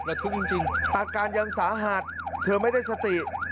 ทุกข์จริงอาการยังสาหัสเธอไม่ได้สติ